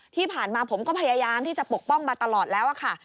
ที่ผ่านมาผมก็พยายามที่จะปกป้องมาตลอดแล้วค่ะ